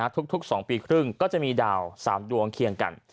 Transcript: ทุก๒ปีครึ่งก็จะมีดาว๓ดวงเคียงกัน